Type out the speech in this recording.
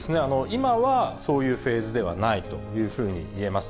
今はそういうフェーズではないというふうに言えます。